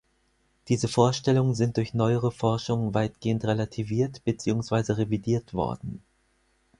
Diese Vorstellungen sind durch neuere Forschungen weitgehend relativiert beziehungsweise revidiert worden.